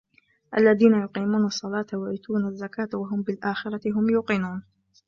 الَّذينَ يُقيمونَ الصَّلاةَ وَيُؤتونَ الزَّكاةَ وَهُم بِالآخِرَةِ هُم يوقِنونَ